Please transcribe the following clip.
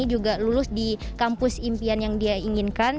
dia juga lulus di kampus impian yang dia inginkan